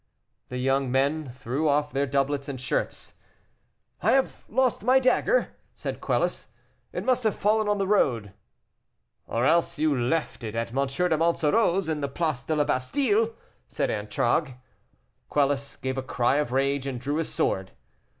The young men threw off their doublets and shirts. "I have lost my dagger," said Quelus; "it must have fallen on the road." "Or else you left it at M. de Monsoreau's, in the Place de la Bastile," said Antragues. Quelus gave a cry of rage, and drew his sword.